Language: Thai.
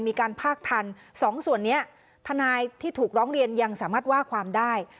มีการพากทันสองส่วนนี้ทนายที่ถูกร้องเรียนยังสามารถว่าความได้